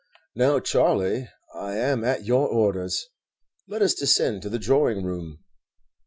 "Now, Charley, I am at your orders; let us descend to the drawing room."